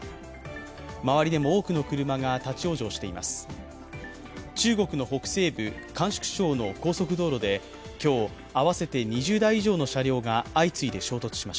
周りでも多くの車が立往生しています。